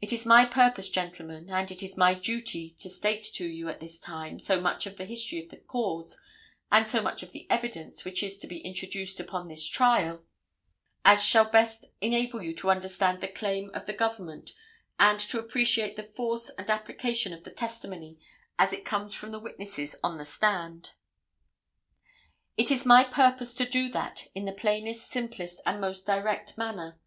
It is my purpose, gentlemen, and it is my duty to state to you at this time so much of the history of the cause and so much of the evidence which is to be introduced upon this trial as shall best enable you to understand the claim of the Government and to appreciate the force and application of the testimony as it comes from the witnesses on the stand. It is my purpose to do that in the plainest, simplest and most direct manner.